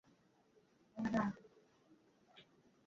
রঙিন মনের অনুভবে মানুষ স্বপ্ন দেখে, কল্পনায় পাড়ি দেয় প্রকৃতির ভুবনে।